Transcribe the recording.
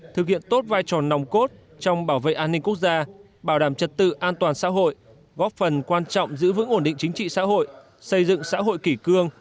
thực hiện tốt vai trò nòng cốt trong bảo vệ an ninh quốc gia bảo đảm trật tự an toàn xã hội góp phần quan trọng giữ vững ổn định chính trị xã hội xây dựng xã hội kỷ cương